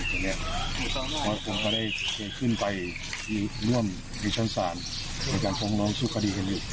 คงก็ได้ขึ้นไปรอยเว้นได้มาในชั้นศาล